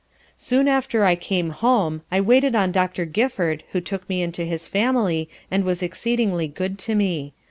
Soon after I came home, I waited on Doctor Gifford who took me into his family and was exceedingly, good to me.